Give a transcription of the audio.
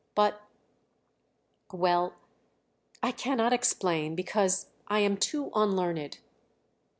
but ... well, I cannot explain because I am too unlearned.